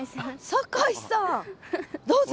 坂井さんどうぞ。